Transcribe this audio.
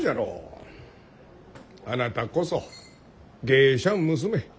あなたこそ芸者ん娘。